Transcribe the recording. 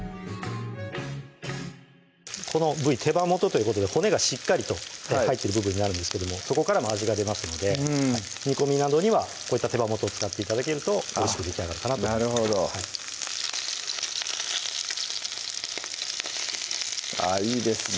この部位手羽元ということで骨がしっかりと入ってる部分になるんですけどもそこからも味が出ますので煮込みなどにはこういった手羽元を使って頂けるとおいしくできあがるかなとなるほどあぁいいですね